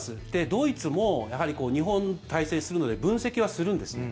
ドイツもやはり日本、対戦するので分析はするんですね。